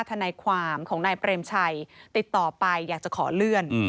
ทนายความของนายเปรมชัยติดต่อไปอยากจะขอเลื่อน